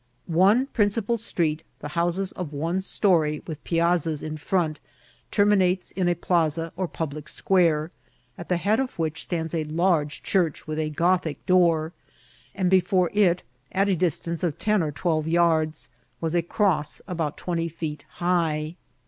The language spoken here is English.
One principal street, the houses of one story, with piaz* ns in front, terminates in a plaza or public square, at Ike liead of which stands a large church with a Oothie door; and before it, at a distance of ten or twelve yards, was a cross about twenty feet high.